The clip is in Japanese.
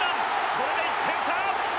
これで１点差！